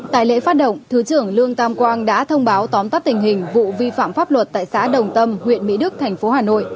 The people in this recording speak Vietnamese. tại lễ phát động thứ trưởng lương tam quang đã thông báo tóm tắt tình hình vụ vi phạm pháp luật tại xã đồng tâm huyện mỹ đức thành phố hà nội